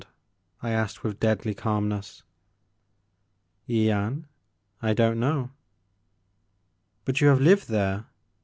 *' I asked with deadly calmness. "Yian? I don't know.'' " But you have lived there